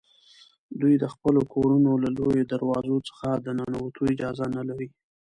دوی د خپلو کورونو له لویو دروازو څخه د ننوتو اجازه نه لري.